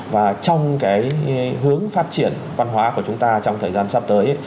và trong cái hướng phát triển văn hóa của chúng ta trong thời gian sắp tới